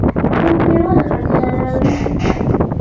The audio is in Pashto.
ټوکې ولې خندا راوړي؟